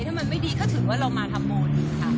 ถ้ามันไม่ดีก็ถือว่าเรามาทำบุญค่ะ